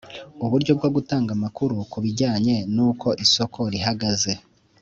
uburyo bwo gutanga amakuru ku bijyanye n'uko isoko rihagaze